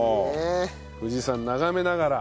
富士山眺めながら。